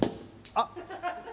あっ。